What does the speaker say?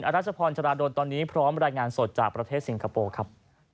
รัชพรชราดลตอนนี้พร้อมรายงานสดจากประเทศสิงคโปร์ครับ